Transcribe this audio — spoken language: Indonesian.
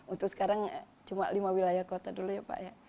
untuk sekarang cuma lima wilayah kota dulu ya pak ya